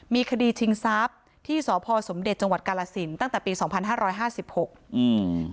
มีคดีชิงทรัพย์ที่สพสมเด็จจังหวัดกาลสินตั้งแต่ปีสองพันห้าร้อยห้าสิบหกอืม